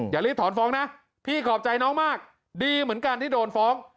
อย่ารีบถอนฟ้องนะพี่ขอบใจน้องมากดีเหมือนกันที่โดนฟ้อง